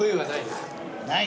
ない！